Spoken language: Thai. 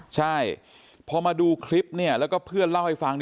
ใช่พอมาดูคลิปแล้วก็เพื่อนเล่าให้ฟัง